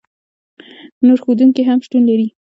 نور ښودونکي هم شتون لري.